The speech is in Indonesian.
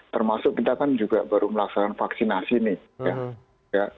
termasuk kita kan juga baru melaksanakan vaksinasi nih